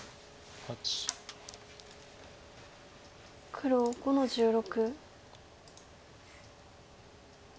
黒５の十六。